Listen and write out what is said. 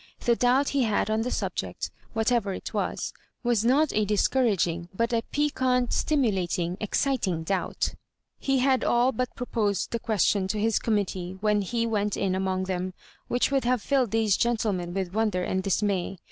The doubt he had on the subject, whatever it was, was not a discouraging, but a piquant, sti mulating, exciting doubt. He had all but pro posed the question to his committee when he Digitized by VjOOQIC 160 loss MARJ0BI6AKK& wont in among them, which would have filled these gentlemen with wonder and dismay.